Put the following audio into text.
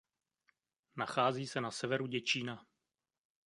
Nachází se na severu Děčína.